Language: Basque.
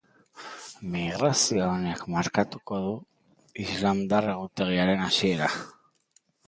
Migrazio honek markatuko du islamdar egutegiaren hasiera.